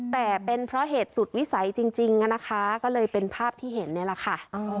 แต่เป็นเพราะเหตุสุดวิสัยจริงนะคะก็เลยเป็นภาพที่เห็นนี่แหละค่ะ